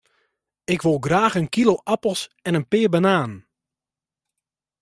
Ik wol graach in kilo apels en in pear bananen.